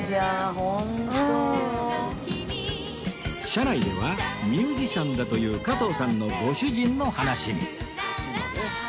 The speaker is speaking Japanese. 車内ではミュージシャンだという加藤さんのご主人の話に